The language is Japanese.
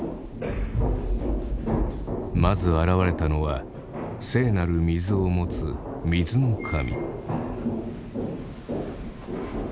まず現れたのは聖なる水を持つ水の神。